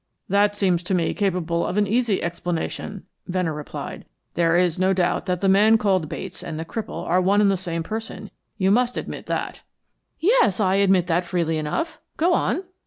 "That seems to me capable of an easy explanation," Venner replied. "There is no doubt that the man called Bates and the cripple are one and the same person. You must admit that." "Yes, I admit that freely enough. Go on."